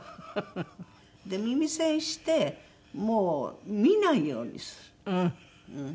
で耳栓してもう見ないようにする。